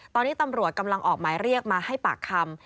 ตอนนี้ตำรวจกำลังออกหมายเรียกมาให้ปากคำ